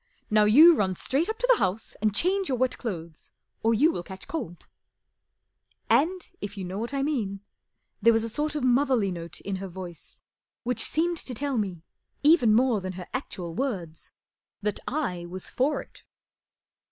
Now you run straight up to the house and change your wet clothes or you will catch cold/' And, if you know what I mean, there was a sort of motherly note in her voice which seemed to tell me, even more than her actu a I w ords, that I was for it.